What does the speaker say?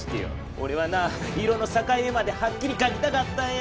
おれはな色の境目まではっきりかきたかったんや。